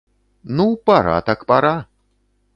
Ну пара, так пара!